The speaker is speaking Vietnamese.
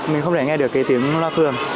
mình không thể nghe được cái tiếng loa phường